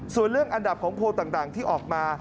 ส่วนเรื่องอันดับของโพลต่างที่ออกมา